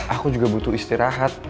aku juga butuh istirahat